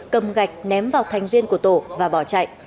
cầm gạch ném vào thành viên của tổ và bỏ chạy